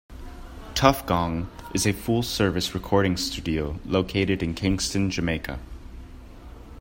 Tuff Gong is a full-service recording studio located in Kingston, Jamaica.